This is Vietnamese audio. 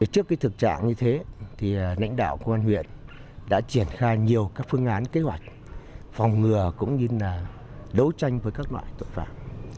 trước thực trạng như thế nãnh đạo công an huyện đã triển khai nhiều phương án kế hoạch phòng ngừa đấu tranh với các loại tội phạm